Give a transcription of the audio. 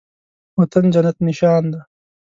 وطن جنت نشان دی